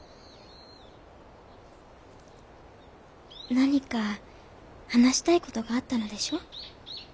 何か話したい事があったのでしょう？